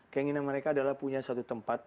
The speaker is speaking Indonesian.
keinginan mereka adalah punya suatu tempat